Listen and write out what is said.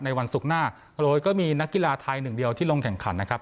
วันศุกร์หน้าโดยก็มีนักกีฬาไทยหนึ่งเดียวที่ลงแข่งขันนะครับ